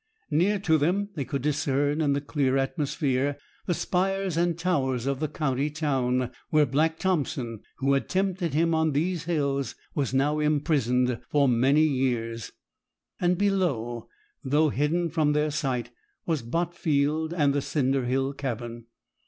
Near to them they could discern, in the clear atmosphere, the spires and towers of the county town, where Black Thompson, who had tempted him on these hills, was now imprisoned for many years; and below, though hidden from their sight, was Botfield and the cinder hill cabin.